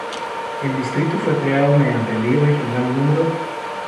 El distrito fue creado mediante Ley Regional No.